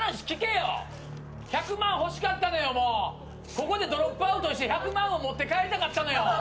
ここでドロップアウトして１００万を持って帰りたかったのよ。